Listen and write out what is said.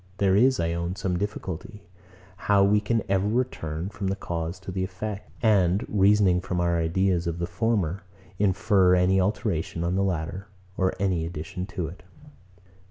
There is, I own, some difficulty, how we can ever return from the cause to the effect, and, reasoning from our ideas of the former, infer any alteration on the latter, or any addition to it.